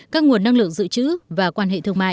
các nguồn năng lượng dự trữ và quan hệ thương mại